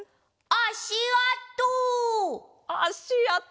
あしあと！